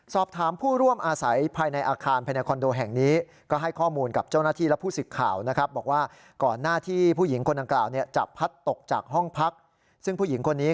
สอบถามผู้ร่วมอาศัยภายในอาคารภายในคอนโดแห่งนี้